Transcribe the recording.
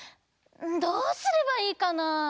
どうすればいいかな。